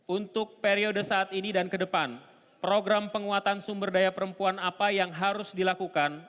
untuk periode saat ini dan ke depan program penguatan sumber daya perempuan apa yang harus dilakukan